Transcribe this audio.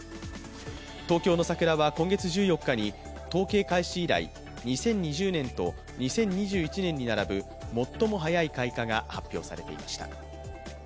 東京の桜は今月１４日に統計開始以来、２０２０年と２０２１年に並ぶ最も早い開花が発表されていました。